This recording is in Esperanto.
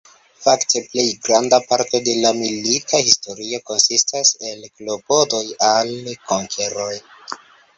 Fakte plej granda parto de la Milita historio konsistas el klopodoj al konkeroj.